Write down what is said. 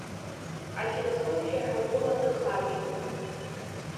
Афилософиа ҳагәыланахалеит.